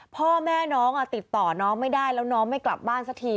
พ่อแม่น้องติดต่อน้องไม่ได้แล้วน้องไม่กลับบ้านสักที